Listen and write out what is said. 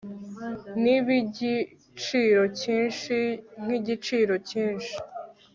nibigiciro cyinshi nkigiciro cyinshi